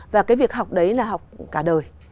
và cái việc học đấy là học cả đời